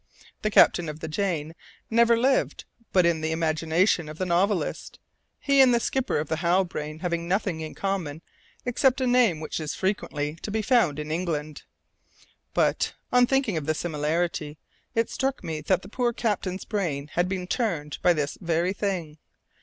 The captain of the Jane never lived but in the imagination of the novelist, he and the skipper of the Halbrane have nothing in common except a name which is frequently to be found in England. But, on thinking of the similarity, it struck me that the poor captain's brain had been turned by this very thing.